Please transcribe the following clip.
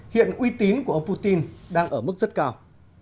hiện uy tín của ông putin đang ở mức rất cao